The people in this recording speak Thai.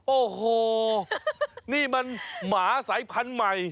โอ้โหนี่มันหมาสายพันธุ์ใหม่